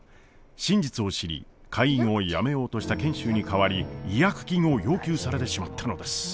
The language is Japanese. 真実を知り会員をやめようとした賢秀に代わり違約金を要求されてしまったのです。